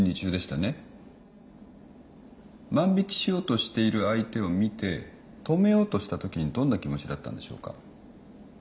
万引しようとしている相手を見て止めようとしたときにどんな気持ちだったんでしょうか。